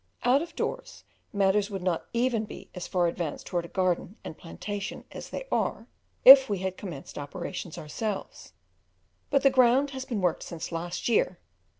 Out of doors matters would not even be as far advanced towards a garden and plantation as they are if we had commenced operations ourselves, but the ground has been worked since last year.